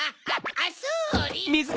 あっそれ！